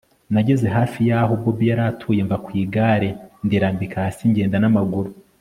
nageze hafi yaho bobi yaratuye, mva kwigare ndirambika hasi ngenda namaguru